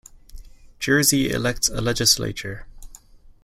Jersey elects a legislature.